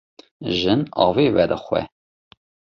Jin avê vedixwe.